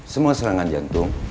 semua serangan jantung